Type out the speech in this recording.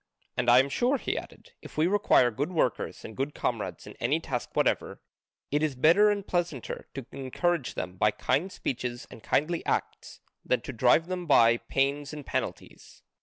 And I am sure," he added, "if we require good workers and good comrades in any task whatever, it is better and pleasanter to encourage them by kind speeches and kindly acts than to drive them by pains and penalties.